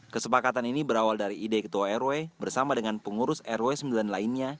kesepakatan ini berawal dari ide ketua rw bersama dengan pengurus rw sembilan lainnya